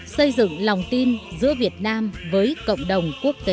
xây dựng lòng tin giữa việt nam với cộng đồng quốc tế